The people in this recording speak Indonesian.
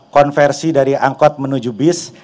konversi dari angkot menuju bis